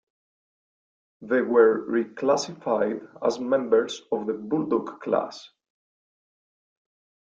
They were reclassified as members of the Bulldog Class.